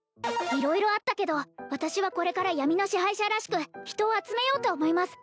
色々あったけど私はこれから闇の支配者らしく人を集めようと思います